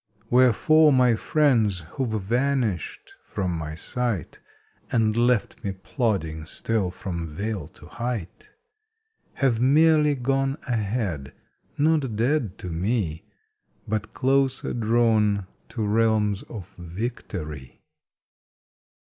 Wherefore my friends who ve vanished from my sight, And left me plodding still from vale to height, Have merely gone ahead, not dead to me, But closer drawn to realms of victory.